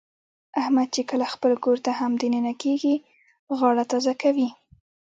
احمد چې کله خپل کورته هم د ننه کېږي، غاړه تازه کوي.